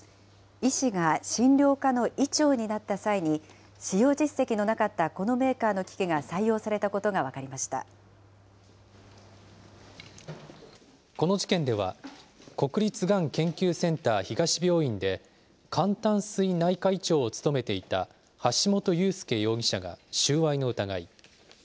医師が診療科の医長になった際に、使用実績のなかったこのメーカーの機器が採用されたことが分かりこの事件では、国立がん研究センター東病院で、肝胆膵内科医長を務めていた橋本裕輔容疑者が収賄の疑い。